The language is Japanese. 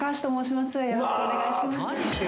よろしくお願いします。